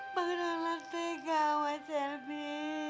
pengenalan tega woi selvi